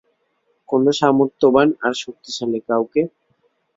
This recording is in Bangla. কোন সামর্থ্যবান আর শক্তিশালী কাউকে।